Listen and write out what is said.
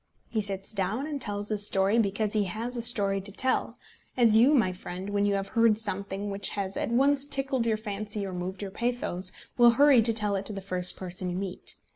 He sits down and tells his story because he has a story to tell; as you, my friend, when you have heard something which has at once tickled your fancy or moved your pathos, will hurry to tell it to the first person you meet.